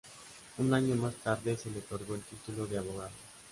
Un año más tarde se le otorga el título de abogado.